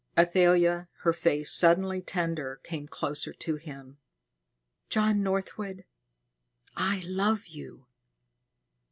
Athalia, her face suddenly tender, came closer to him. "John Northwood, I love you."